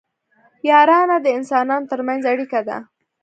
یارانه د انسانانو ترمنځ اړیکه ده